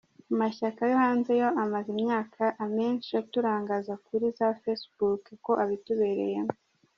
Amashyaka yo hanze yo amaze imyaka amenshi aturangaza kuri za facebook ko abitubereyemo.